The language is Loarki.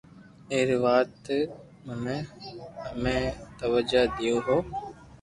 ائرو وات نيي امي توجِ ديو ھون